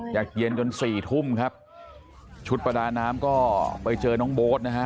อยากเย็นจน๔ทุ่มครับ